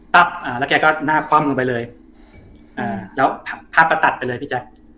ปั๊บแล้วแกก็หน้าคว่ำนึงไปเลยแล้วภาพประตัดไปเลยพี่แจ๊ก